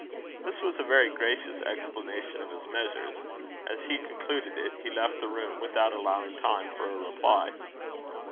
This was a very gracious explanation of his measures. As he concluded it, he left the room, without allowing time for a reply.